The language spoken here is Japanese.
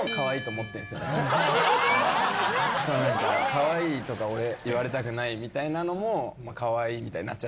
「カワイイとか俺言われたくない」みたいなのもカワイイみたいになっちゃってるんで。